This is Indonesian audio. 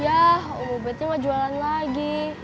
yah umpetnya gak jualan lagi